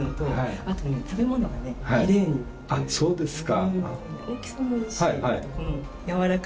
あっそうですか。